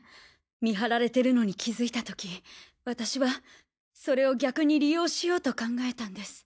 見張られてるのに気づいた時私はそれを逆に利用しようと考えたんです。